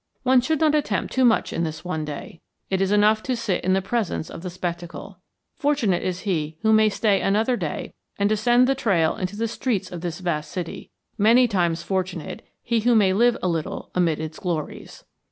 One should not attempt too much in this one day. It is enough to sit in the presence of the spectacle. Fortunate is he who may stay another day and descend the trail into the streets of this vast city; many times fortunate he who may live a little amid its glories.